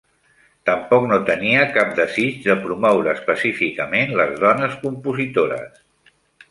Tampoc no tenia cap desig de promoure específicament les dones compositores.